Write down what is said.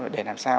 để làm sao